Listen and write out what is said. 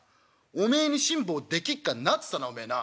『おめえに辛抱できっかな』っつったなおめえな。